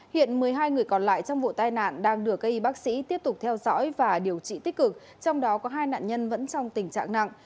hiện một mươi hai người còn lại trong vụ tai nạn đang được cây y bác sĩ tiếp tục theo dõi và điều trị tích cực trong đó có hai nạn nhân vẫn trong tình trạng nặng